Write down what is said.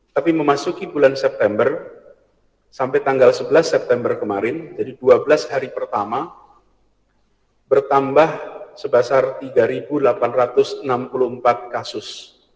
tapi memasuki bulan september sampai tanggal sebelas september kemarin jadi dua belas hari pertama bertambah sebasar tiga delapan ratus enam puluh empat kasus